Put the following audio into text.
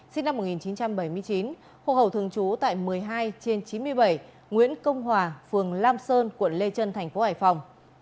sinh năm một nghìn chín trăm bảy mươi chín hộ khẩu thường trú tại một mươi hai trên chín mươi bảy nguyễn công hòa phường lam sơn quận lê trân tp hải phòng